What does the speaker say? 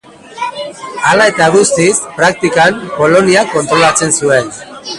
Hala eta guztiz, praktikan, Poloniak kontrolatzen zuen.